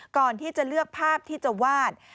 ก่อนที่จะเลือกภาพที่จะวาด